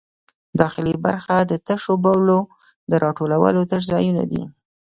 داخلي برخه د تشو بولو د راټولولو تش ځایونه دي.